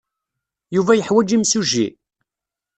Yuba yeḥwaj imsujji?